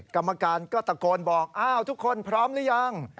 กรรมการก็ตะโกนบอกอ้าวทุกคนพร้อมหรือยัง